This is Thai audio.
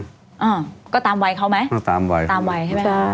อ่าก็ตามวัยเขาไหมก็ตามวัยตามวัยใช่ไหมอ่า